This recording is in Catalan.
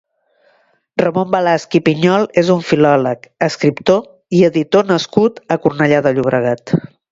Ramon Balasch i Pinyol és un filòleg, escriptor i editor nascut a Cornellà de Llobregat.